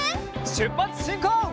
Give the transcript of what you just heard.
しゅっぱつしんこう！